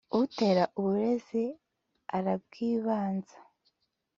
Utera uburezi arabwibanza.